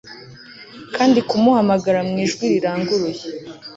kandi kumuhamagara mu ijwi riranguruye